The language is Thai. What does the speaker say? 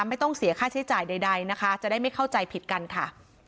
ไม่ต้องเสียค่าใช้จ่ายใดนะคะจะได้ไม่เข้าใจผิดกันค่ะ